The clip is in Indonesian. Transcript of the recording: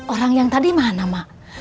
orang yang tadi mana mak